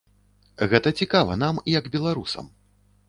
Гэта цікава нам як беларусам.